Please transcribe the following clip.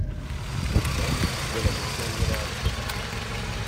Ne, bylo možné ji realizovat.